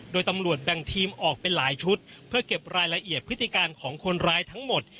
โดยตำรวจแบ่งทีมออกเป็นหลายชุดเพื่อเก็บรายละเอียดพฤติการของคนร้ายทั้งหมด